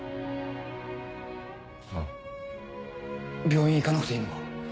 病院行かなくていいのか？